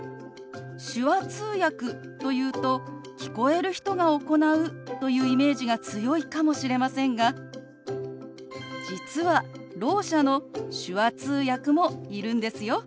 手話通訳というと聞こえる人が行うというイメージが強いかもしれませんが実はろう者の手話通訳もいるんですよ。